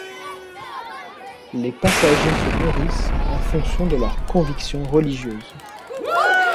Les passagers se nourrissent en fonction de leurs convictions religieuses.